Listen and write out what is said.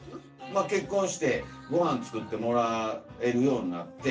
まあ結婚してごはん作ってもらえるようになって。